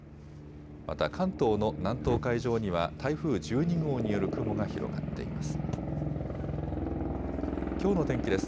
また関東の南東海上には台風１２号による雲が広がっています。